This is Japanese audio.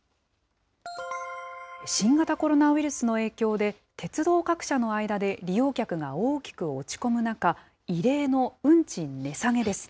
新型コロナウイルスの影響で、鉄道各社の間で利用客が大きく落ち込む中、異例の運賃値下げです。